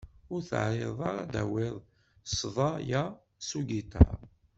Ur teεriḍeḍ ara ad d-tawiḍ ssḍa-ya s ugiṭar?